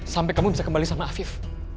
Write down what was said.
sampai kamu bisa kembali sama afif